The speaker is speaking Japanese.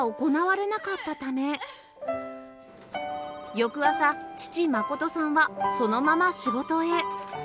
翌朝父信さんはそのまま仕事へ